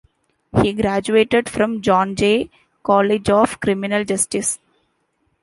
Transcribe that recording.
He graduated from John Jay College of Criminal Justice.